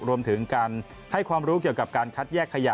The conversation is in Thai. รวมถึงการให้ความรู้เกี่ยวกับการคัดแยกขยะ